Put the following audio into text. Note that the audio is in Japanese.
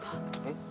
えっ？